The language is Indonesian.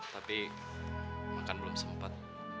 tapi makan belum sempet